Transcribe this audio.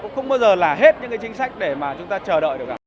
cũng không bao giờ là hết những cái chính sách để mà chúng ta chờ đợi được cả